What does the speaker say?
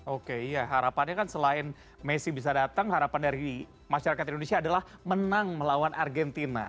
oke iya harapannya kan selain messi bisa datang harapan dari masyarakat indonesia adalah menang melawan argentina